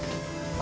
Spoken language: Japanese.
あ？